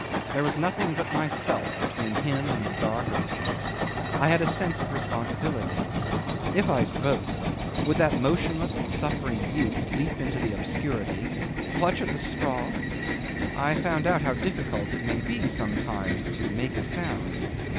There was nothing but myself between him and the dark ocean. I had a sense of responsibility. If I spoke, would that motionless and suffering youth leap into the obscurity clutch at the straw? I found out how difficult it may be sometimes to make a sound.